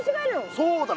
そうだよ！